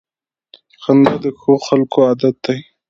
• خندا د ښو خلکو عادت دی.